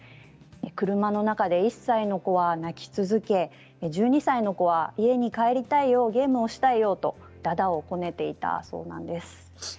車の中で１歳の子は泣き続け１２歳の子は家に帰りたいゲームをしたいとだだをこねていたそうです。